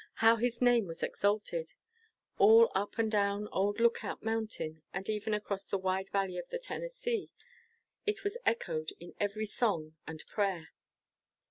How his name was exalted! All up and down old Lookout Mountain, and even across the wide valley of the Tennessee, it was echoed in every song and prayer.